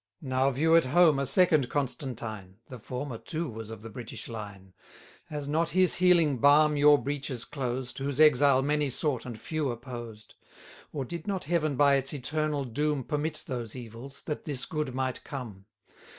Now view at home a second Constantine; (The former too was of the British line;) 90 Has not his healing balm your breaches closed, Whose exile many sought, and few opposed? Or, did not Heaven by its eternal doom Permit those evils, that this good might come?